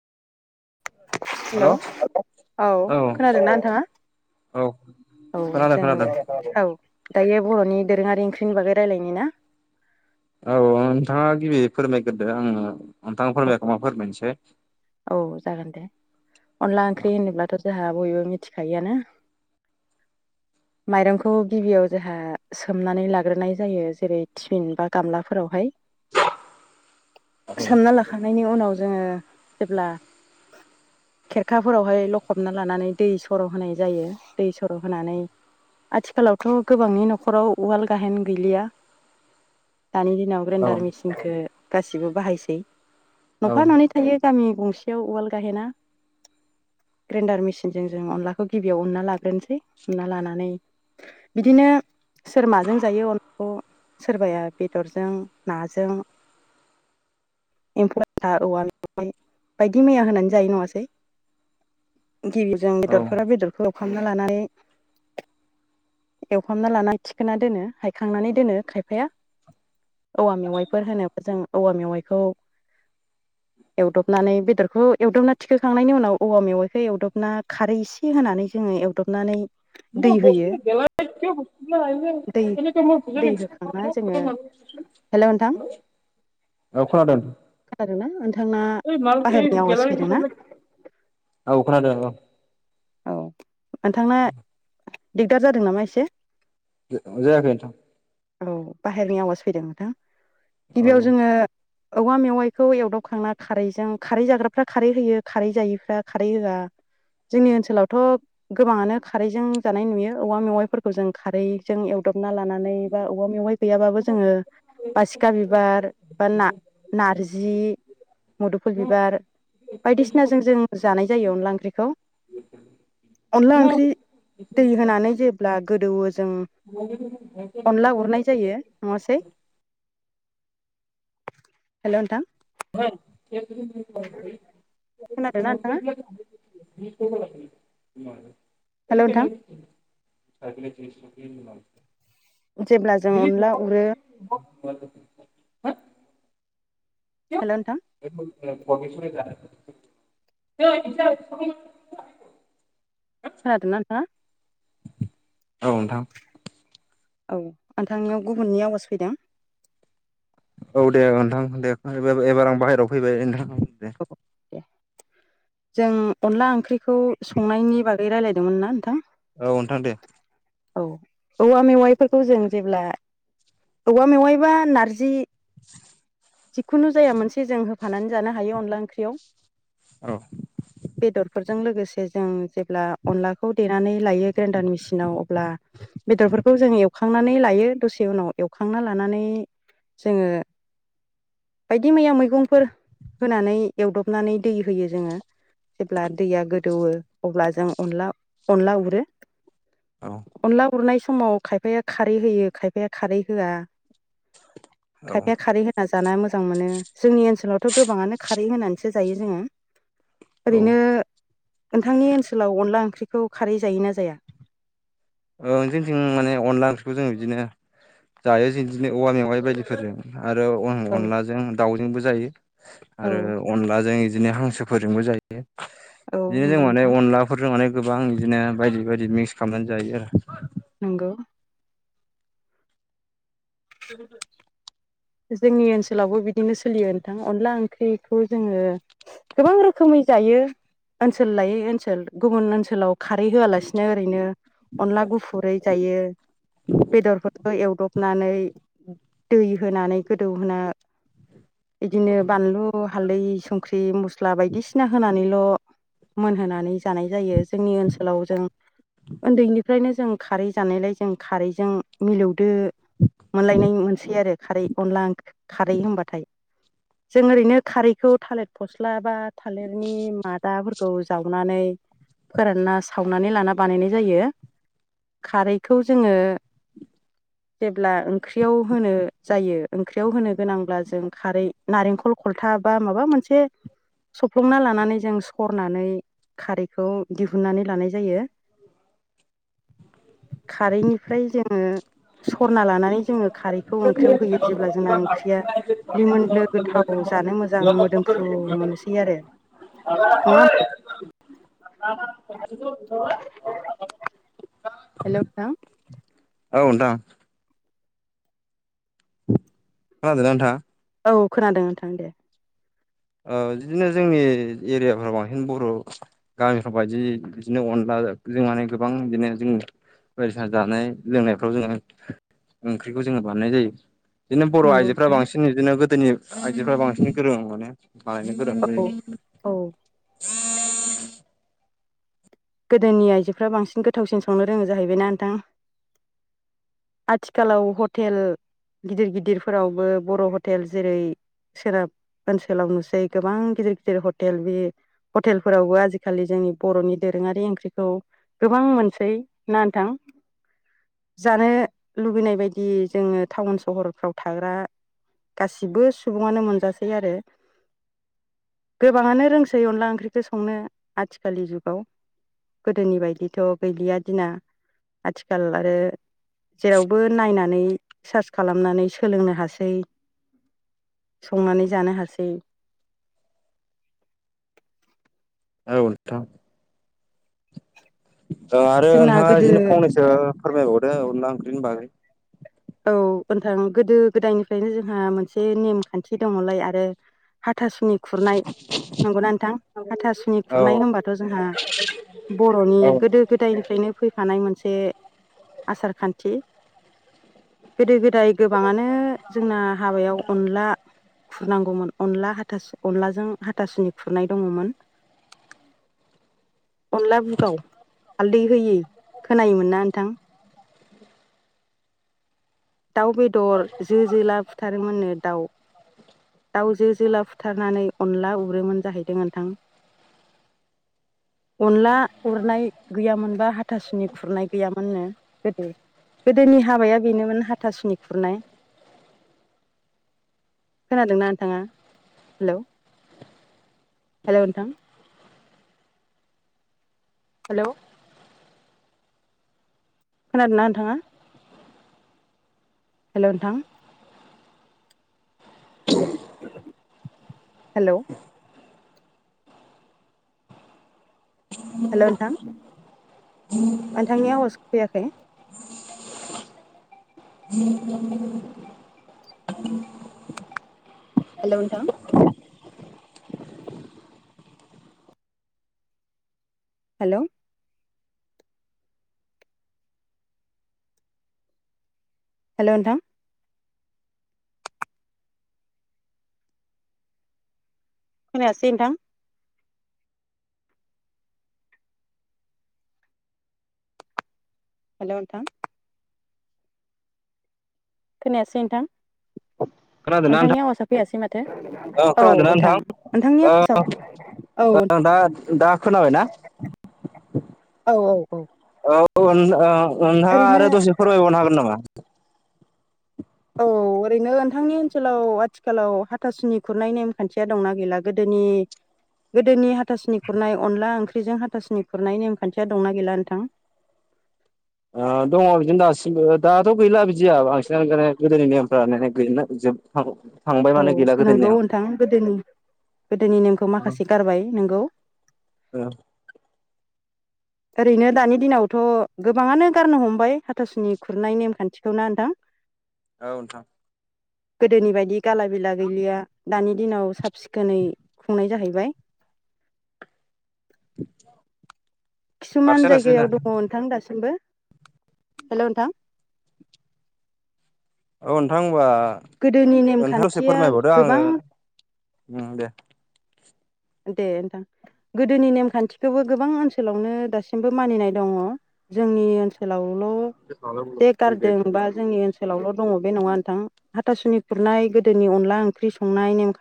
हेल' औ औ खोनादोंना नोंथाङा? औ औ खोनादों जों खोनादों। औ दायो बर'नि दोरोङारि ओंख्रिनि बागै रायजलायनि ना? औ नोंथाङा गिबि फोरमायग्रोदो आङो नोंथाङा फोरमायाखै मा फोरमायनोसै। औ जागोन दे अनला ओंख्रि होनोब्लाथ' जोंहा बयबो मिथिखायो आनो। माइरंखौ गिबियाव जोंहा सोमनानै लाग्रोनाय जायो जेरै सोमबा गामलाफोरावहाय औ सोमना लाखांनायनायनि उनाव जोङो ब्ला खेरखाफोरावहाय लखबना लानानै दै सर' होनाय जायो दै सर' होनानै आथिखालावथ' गोबांनि न'खराव उवाल गाहेन गैलिया दानि दिनाव औ ग्रेन्डार मेसिनखौ गासिबो बाहायसै नफा ननानै थायो गामि गंसेयाव उवाल गाहेना। ग्रेन्डार मेसिनजों जों अनलाखौ गिबियाव अनना लाग्रोनोसै उनना लानानै बिदिनो सोर माजों जायो अखौ सोरबाया बेदरजों नाजों एम्फौ आ औव ओ बायदि मैया होनानै जायो नङासै गिबि जजों औ बेदरफोरा बेदरखौ ु खालामना लानानै एवफामना लाना खिखोना दोनो हायखांनानै दोनो खायफाया औवा मेवाइफोर होनोब्ला जों औवा मेवाइखौ एवदबनानै बेदरखौ एवदबना थिखोखांनायनि उनाव औवा मेवाइखौ एवदबना खारै थ होनानै जोङो एवदबनानै दै म होयो बस्थु गेलां बस्थु दै एऐ म बुजा दै होखांना ख जोङो हेल' नोंथां ए खना दथ खोनादोंना नोंथांना माल बाहेरनि आवाज फैदोंना गख औ नोंथांना दिगदार जादों नामा एसे जायाखै नोंथां औ बाहेरनि आवाज फैदों नोंथां औ गिबियाव जोङो औवा मेवाइखौ एवदावखांना खारैजों खारै जाग्राफ्रा खारै होयो खारै जायिफ्रा खारै होआ जोंनि ओनसोलावथ' गोबाङानो खारैजों जानाय नुयो औवा मेवाइफोरखौ जों खारैजों एवदबना लानानै बा अबा मेवाइ गैयाबाबो जोङो बासिखा बिबार बा ना नारजि मुदुफुल बिबार बायदिसिनाजों जों जानाय जायो अनला ओंख्रिखौ अनला ओंख्रि दै होनानै जेब्ला गोदौवो जों ब अनला गरनाय जायो नङासै हेल' नोंथां [unintelligible] खोनादोंना नोंथाङा हेल' ख नोंथां साइकलि जजख जेब्ला जों अनला उरो म हेलौथ बेसर ज खोनादोंना नोंथाङा औ नोंथां औ नोंथांनियाव गुबुननि आवाज फैदों औ दे नोंथां दे एबार आं बाहेराव फैबाय नोंथां दे औ दे जों अनला ओंख्रिखौ संनायनि बागै रायजलायदोंमोन ना नोंथां औ नोंथां दे औ औवा मेवाइफोरखौ जों जेब्ला औवा मेवायबा नारजि [inaudible] जिखुनु जाया मोनसे जों होफानानै जानो हायो अनला ओंख्रियाव औ बेदरफोरजों लोगोसे जों जेब्ला अनलाखौ देनानै लायो ग्रेन्डार मेसिनाव अब्ला बेदरफोरखौ जों एवखांनानै लायो दसे उनाव एवखांना लानानै जोङो बायदि मैया मैगंफोर होनानै एवदबनानै दै होयो जोङो जेब्ला दैया गोदौवो अब्ला जों अनला अनला हरो औ अनला हरनाय समाव खायफाया खारै होयो खायफाया खारै होआ औ थफया खारि हो जानो मोजां मोनो जोंनि ओनसोलावथ' गोबाङानो खारै होनानैसो जायो जोङो। औ ओरैनो नोंथांनि ओनसोलाव अनला ओंख्रिखौ खारै जायोना जाया? ओ जोंनिथिं माने अनला ओंख्रिखौ जों बिदिनो जायो जों बिदिनो औवा मेवाइ बायदिफोरजों आरो औ अनलाजों दाउजोंबो जायो आरो औ अनलाजों बिदिनो हांसोफोरजोंबो जायो‌। औ बिदिनो जों नंगौ माने नोंथां अनला नफोरजों माने गोबां बिदिनो बायदि बायदि मिक्स खालामनानै जायो आरो। नंगौ। [inaudible] जोंनि ओनसोलावबो बिदिनो सोलियो नोंथां। अनला ओंख्रिखौ जोङो गोबां रोखोमै जायो ओनसोल लायै ओनसोल। गुबुन ओनसोलाव खारै होआलासिनो ओरैनो अनला गुफुरै जायो बेदरफोरखौ एवदब हनानै दै होनानै गोदौहोना बिदिनो बानलु हाल्दै संख्रि मस्ला बायदिसिना होनानैल' मोनहोनानै जानाय जायो। जोंनि ओनसोलाव जों उन्दैनिफ्रायनो जों खारै जानायलाय जों खारैजों मिलौदो मोनलायनाय मोनसै आरो खारै अनला खारै होनबाथाय। जों ओरैनो खारैखौ थालिर फस्ला बा थालिरनि मादाफोरखौ जावनानै फोरानना सावनानै लाना बानायनाय जायो। खारैखौ जोङो जेब्ला ओंख्रियाव होनो जायो ओंख्रियाव होनो गोनांब्ला जों खारै नारेंखल खलथा बा माबा मोनसे सफ्लंना लानानै जों सरनानै खारैखौ दिहुननानै लानाय जायो। खारैनिफ्राय जोङो सरना लानानै जोङो खारैखौ ओंख्रि होयो। जेब्ला जोंना ओंख्रिया लिमोन गोथाव जानो मोजां मोदोम फ्रु मोनसै आरो नङा होनबा। [unintelligible] हेल' नोंथां। औ नोंथां। खोनादोंना नोंथां। औ खोनादों नोंथां दे। औ बिदिनो जोंनि एरियाफोराव बांसिन बर' गामिफ्राव बायदि बिदिनो अनला जों माने गोबां बिदिनो जों बायदिसिना जानाय लोंनायफ्राव जोङो ओंख्रिखौ जोङो बानायनाय जायो। बिदिनो बर' नंगौ आइजोफोरा नोंथां बांसिन बिदिनो गोदोनि आइजोफ्रा बांसिन गोरों माने। औ [unintelligible] औ। गोदोनि आइजोफ्रा बांसिन गोथावसिन संनो रोङो जाहैबायना नोंथां। आथिखालाव हटेल गिदिर गिदिरफोरावबो बर' हटेल जेरै- सोनाब ओनसोलाव नुसै गोबां गिदिर गिदिर हटेल बे हटेलफोरावबो आजिखालि जोंनि बर'नि दोरोङारि ओंख्रिखौ गोबां मोनसै ना नोंथां? जानो लुबैनाय बायदि जोङो टाउन सहरफ्राव थाग्रा गासिबो सुबुङानो मोनजासै आरो। गोबाङानो रोंसै अनला ओंख्रिखौ संनो आथिखालनि जुगाव। गोदोनि बायदिथ' गैलिया दिना। आथिखाल आरो जेरावबो नायनानै सार्च खालामनानै सोलोंनो हासै। संनानै जानो हासै। औ नोंथां। औ आरो जोंना नोंथाङा गोदो बिदिनो फंनैसो फोरमायबावदो अनला ओंखनि बागै। औ नोंथां गोदो गोदायनिफ्रायनो जोंहा मोनसे नेम खान्थि दङलाय आरो हाथासुनि खुरनाय नंगौना नोंथां हाथासुनि औ खुरनाय होनबाथ' जोंहा बर'नि औ गोदो गोदायनिफ्रायनो फैफानाय मोनसे आसार खान्थि गोदो गोदाय गोबाङानो जोंना हाबायाव अनला खुरनांगौमोन अनला हाथास अनलाजों हाथासुनि खुरनाय दङमोन। अनला बुगाव हालदै होयै खोनायोमोनना नोंथां दाउ बेदर जो जोला फुथारोमोननो दाउ दाउजो जोला फुथारनानै अनला उरोमोन जाहैदों नोंथां [inaudible] अनला उरनाय गैयामोन बा हाथासुनि खुरनाय गैयामोननो गोदो गोदोनि हाबाया बेनोमोन हाथासुनि खुरनाय खोनादोंना नोंथाङा हेल' हेलौ नोंथां हेलौ खोनादों ना नोंथांङा? हेल' नोंथां हेलौ हेल' नोंथां नोंथांनि आवाज फैयाखै [unintelligible] हेलौ नोंथां हेलौ हेलौ नोंथां खोनायासै नोंथां हेल' नोंथां खोनायासै नोंथां खोनादोंना नोंथांनि नोंथां आवासा फैयासै माथो औ नोंथां नोंथांनि आवासा ओ दा दा खोनाबायना औ औ औ औ नों ओ नोंथांङा ओरैनो आरो दसे फोरमायबावनो हागोन नामा? औ ओरैनो नोंथांनि ओनसोलाव आथिखालाव हाथासुनि खुरनाय नेमखान्थिया दंना गैला गोदोनि गोदोनि हाथासुनि खुरनाय अनला ओंख्रिजों हाथासुनि खुरनाय नेमखान्थिया दंना गैला नोंथां? ओ दङ बिदिनो दासिमबो दाथ' गैला बिदिया बांसिनानो गोदोनि नेमफ्रा गैला जोब थां थांबाय औ माने गैला गोदोनि नोंगौ नेम नोंथां गोदोनि गोदोनि नेमखौ माखासे गारबाय नोंगौ। ओ ओरैनो दानि दिनावथ' गोबाङानो गारनो हमबाय हाथासुनि खुरनाय नेमखान्थिखौ ना नोंथां [inaudible] औ नोंथां गोदोनि बायदि गाला बिला गैलिया दानि दिनाव साब सिखोनै खुंनाय जाहैबाय। [inaudible] किसुमान बारसोलासै ना जायगायाव दङ नोंथां दासिमबो हेल' नोंथां औ नोंथां होमबा गोदोनि नोंथां दसे नेमखान्थिया फोरमायबावदो गोबां आङो दे दे नोंथां गोदोनि नेमखान्थिखौबो गोबां ओनसोलावनो दासिमबो मानिनाय दङ। जोंनि ओनसोलावल' [unintelligible] हटेलावल' दङ बे नङा नोंथां हाथासुनि खुरनाय गोदोनि अनला ओंख्रि संनाय ने